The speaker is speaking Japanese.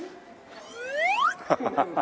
ハハハハ。